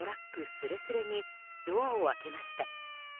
すれすれにドアを開けました。